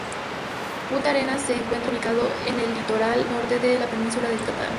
Punta Arenas se encuentra ubicada en el litoral norte de la península de Yucatán.